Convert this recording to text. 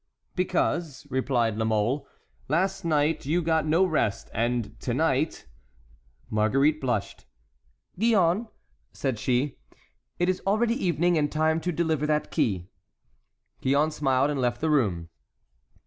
"Because," replied La Mole, "last night you got no rest, and to night"— Marguerite blushed. "Gillonne," said she, "it is already evening and time to deliver that key." Gillonne smiled, and left the room.